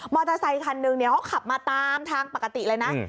อเตอร์ไซคันนึงเนี่ยเขาขับมาตามทางปกติเลยนะ